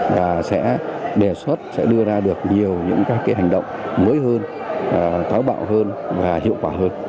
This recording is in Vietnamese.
và sẽ đề xuất sẽ đưa ra được nhiều những cái hành động mới hơn táo bạo hơn và hiệu quả hơn